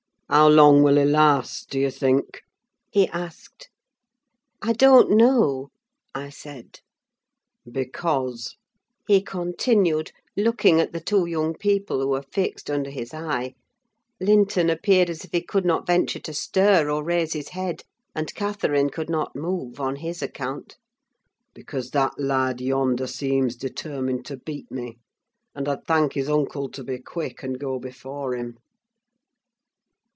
"How long will he last, do you think?" he asked. "I don't know," I said. "Because," he continued, looking at the two young people, who were fixed under his eye—Linton appeared as if he could not venture to stir or raise his head, and Catherine could not move, on his account—"because that lad yonder seems determined to beat me; and I'd thank his uncle to be quick, and go before him!